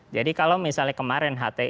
jadi kalau misalnya kemarin hti dibatasi